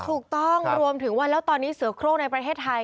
ถูกต้องรวมถึงว่าแล้วตอนนี้เสือโครงในประเทศไทย